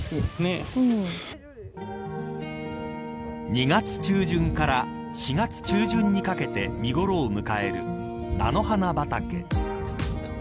２月中旬から４月中旬にかけて見頃を迎える菜の花畑。